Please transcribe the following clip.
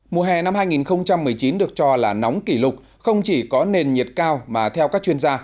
mùa hè năm hai nghìn một mươi chín được cho là nóng kỷ lục không chỉ có nền nhiệt cao mà theo các chuyên gia